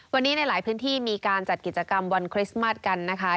วันนี้ในหลายพื้นที่มีการจัดกิจกรรมวันคริสต์มัสกันนะคะ